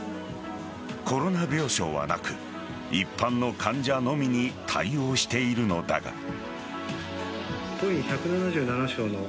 コロナ病床はなく一般の患者のみに対応しているのだが。